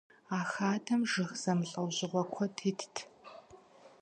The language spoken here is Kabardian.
А хадэм жыг зэмылӏэужьыгъуэ куэд итт.